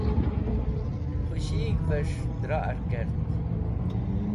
Khũshig̃h’ves̃h dra’r kert.